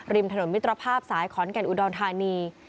ถนนมิตรภาพสายขอนแก่นอุดรธานี